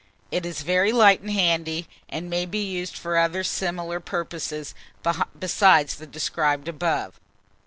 It is very light and handy, and may be used for other similar purposes besides that described above.